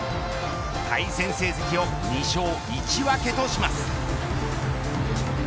対戦成績を２勝１分けとします。